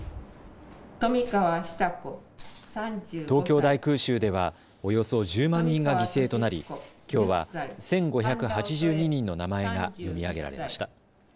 東京大空襲ではおよそ１０万人が犠牲となりきょうは１５８２人の名前が読み上げられました。